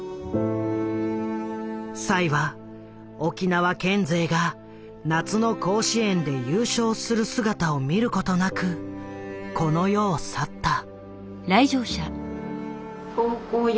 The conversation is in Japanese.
栽は沖縄県勢が夏の甲子園で優勝する姿を見ることなくこの世を去った。